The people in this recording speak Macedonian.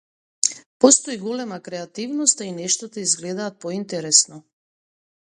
Постои голема креативност, а и нештата изгледаат поинтересно.